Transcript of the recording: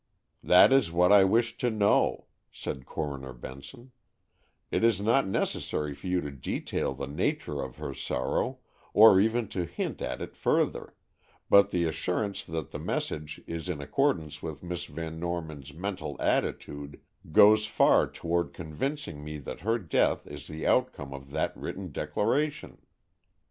"That is what I wished to know," said Coroner Benson; "it is not necessary for you to detail the nature of her sorrow, or even to hint at it further, but the assurance that the message is in accordance with Miss Van Norman's mental attitude goes far toward convincing me that her death is the outcome of that written declaration."